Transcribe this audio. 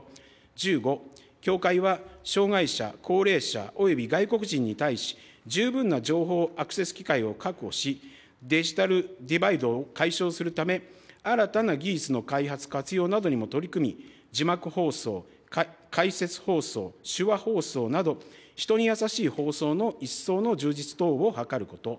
１５、協会は障害者、高齢者および外国人に対し、十分な情報アクセス機会を確保し、デジタル・ディバイドを解消するため、新たな技術の開発、活用などにも取り組み、字幕放送、解説放送、手話放送など、人にやさしい放送の一層の充実等を図ること。